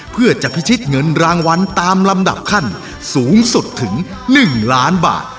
เพื่อจะพิชิตเงินรางวัลตามลำดับขั้นสูงสุดถึง๑ล้านบาท